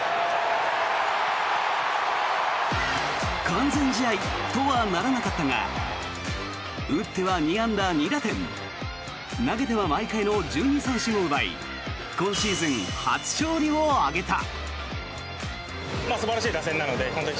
完全試合とはならなかったが打っては２安打２打点投げては毎回の１２三振を奪い今シーズン初勝利を挙げた。